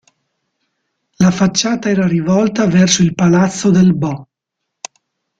La facciata era rivolta verso il Palazzo del Bo'.